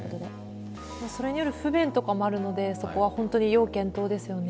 それによる不便とかもあるのでそこは本当に要検討ですよね。